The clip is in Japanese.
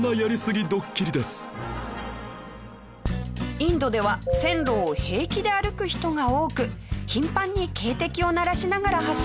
インドでは線路を平気で歩く人が多く頻繁に警笛を鳴らしながら走るのだとか。